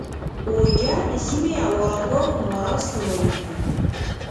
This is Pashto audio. اویجه د سیمې او آرامګاه په معنی استعمالیږي.